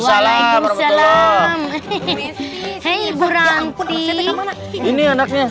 waalaikumsalam hehehe hei burang ini anaknya